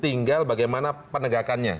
tinggal bagaimana penegakannya